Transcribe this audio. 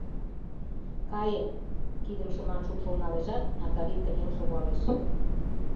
Каем, — кидым шыман шупшыл налешат, Натали кынел шогалеш.